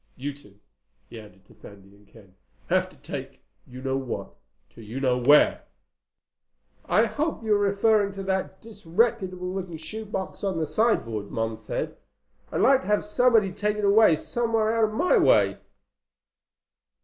You two," he added to Sandy and Ken, "have to take you know what to you know where." "I hope you're referring to that disreputable looking shoe box on the sideboard," Mom said. "I'd like to have somebody take it somewhere out of my way."